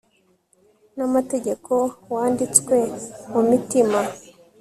n'amategeko wanditswe mu mitima